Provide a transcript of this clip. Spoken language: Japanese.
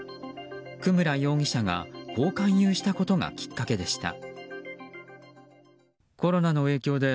久村容疑者がこう勧誘したことがきっかけでした。